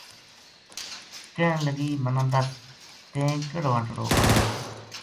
کہن لگی منا دس تیں کِہڑو انٹڑو آنیو تھو